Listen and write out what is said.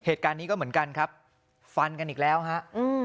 เหตุการณ์นี้ก็เหมือนกันครับฟันกันอีกแล้วฮะอืม